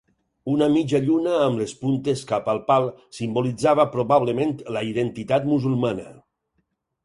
Una mitja lluna amb les puntes cap al pal simbolitzava probablement la identitat musulmana.